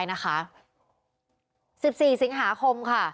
๑๔สิงหาคม